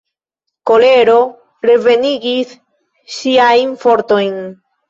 Kolero revenigis ŝiajn fortojn.